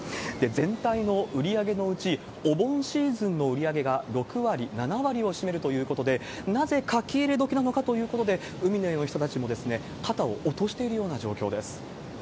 全体の売り上げのうち、お盆シーズンの売り上げが６割、７割を占めるということで、なぜ書き入れ時なのかということで、海の家の人たちも肩を落としているような状況です。